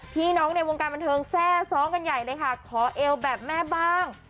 พี่น้องในวงการบันเทิงแทร่ซ้องกันใหญ่เลยค่ะขอเอวแบบแม่บ้าง